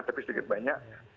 tapi sedikit banyak